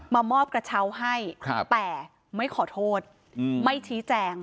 มามอบกระเช้าให้แต่ไม่ขอโทษไม่ชี้แจง